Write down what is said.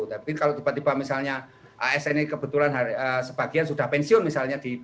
tapi kalau tiba tiba misalnya asn ini kebetulan sebagian sudah pensiun misalnya